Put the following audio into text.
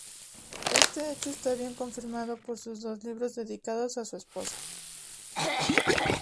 Este hecho está bien confirmado por sus dos libros dedicados a su esposa.